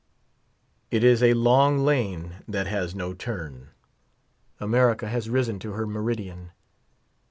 It is a long lane that has no turn. America has risen to her meridian.